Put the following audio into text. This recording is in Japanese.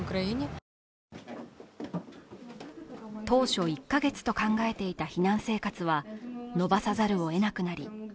当初１カ月と考えていた避難生活は、延ばさざるをえなくなり